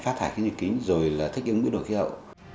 phát thải khí nhà kính rồi là thích ứng biến đổi khí hậu